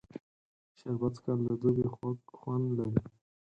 شربت څښل د دوبي خوږ خوند لري